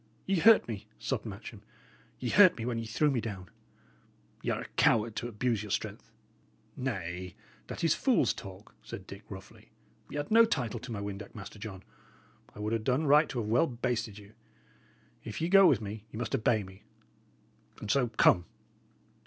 "Ye hurt me," sobbed Matcham. "Ye hurt me when ye threw me down. Y' are a coward to abuse your strength." "Nay, that is fool's talk," said Dick, roughly. "Y' had no title to my windac, Master John. I would 'a' done right to have well basted you. If ye go with me, ye must obey me; and so, come."